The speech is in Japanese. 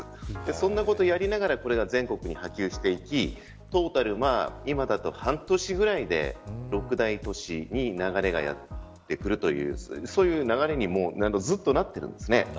そんなことをやりながらこれが全国に波及していきトータル、今だと半年ぐらいで６大都市に流れがやってくるというそういう流れにずっとなっているんですね。